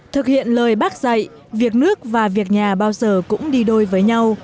thực hiện lời bác dạy việc nước và việc nhà bao giờ cũng đi đôi với nhau